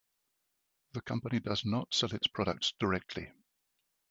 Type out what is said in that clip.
The company does not sell its products directly.